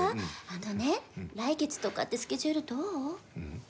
あのね来月とかってスケジュールどう？